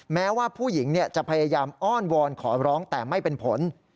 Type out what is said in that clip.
แม้ว่าผู้หญิงจะพยายามอ้อนวอนขอร้องแต่ไม่เป็นผล